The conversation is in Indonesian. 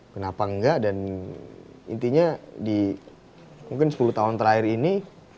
kenapa enggak dan intinya di mungkin sepuluh tahun terakhir ini